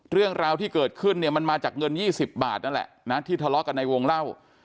เรื่องราวที่เกิดขึ้นเนี่ยมันมาจากเงิน๒๐บาทนั่นแหละนะที่ทะเลาะกันในวงเล่า